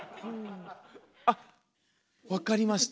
あっ分かりました！